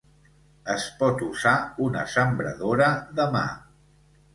Es pot usar una sembradora de mà.